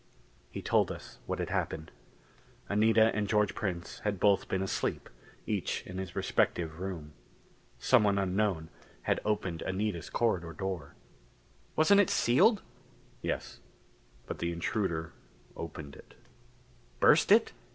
He told us what had happened. Anita and George Prince had both been asleep, each in his respective room. Someone unknown had opened Anita's corridor door. "Wasn't it sealed?" "Yes. But the intruder opened it." "Burst it?